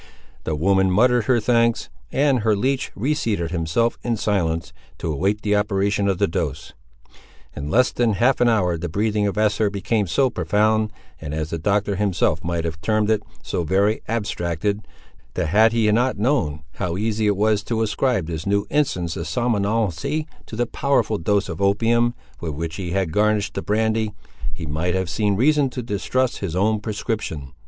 The woman muttered her thanks, and her leech reseated himself in silence, to await the operation of the dose. In less than half an hour the breathing of Esther became so profound, and, as the Doctor himself might have termed it, so very abstracted, that had he not known how easy it was to ascribe this new instance of somnolency to the powerful dose of opium with which he had garnished the brandy, he might have seen reason to distrust his own prescription.